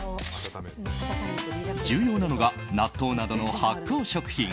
重要なのが納豆などの発酵食品。